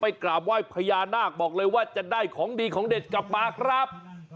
กราบไหว้พญานาคบอกเลยว่าจะได้ของดีของเด็ดกลับมาครับ